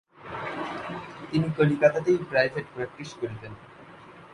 তিনি কলিকাতাতেই private practice করিতেন।